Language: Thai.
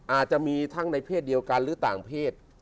อาจจะมีทั้งในเพศเดียวกันหรือต่างเพศ